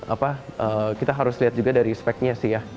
apa kita harus lihat juga dari speknya sih ya